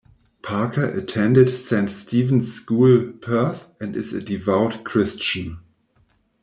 Parker attended Saint Stephen's School, Perth and is a devout Christian.